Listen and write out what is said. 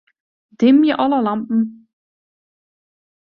Dimje alle lampen.